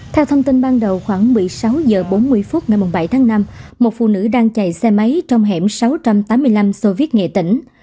theo thông tin ban đầu khoảng một mươi sáu h bốn mươi phút ngày bảy tháng năm một phụ nữ đang chạy xe máy trong hẻm sáu trăm tám mươi năm soviet nghệ tỉnh